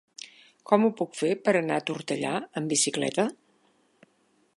Com ho puc fer per anar a Tortellà amb bicicleta?